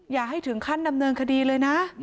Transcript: อย่าให้ถึงขั้นดำเนินคดีเลยนะ